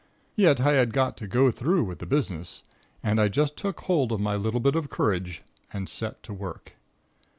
Yet, I had got to go through with the business, and I just took hold of my little bit of courage and set to work.